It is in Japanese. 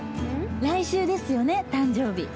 来週ですよね、誕生日。